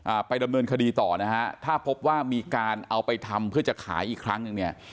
ไปดำเนินคดีต่อนะฮะถ้าพบว่ามีการเอาไปทำเพื่อจะขายอีกครั้งหนึ่งเนี่ย